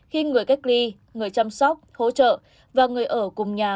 khi người cách ly người chăm sóc hỗ trợ và người ở cùng nhà